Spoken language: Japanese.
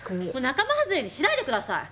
仲間外れにしないでください！